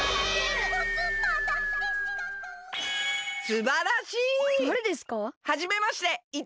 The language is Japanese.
すばらしい！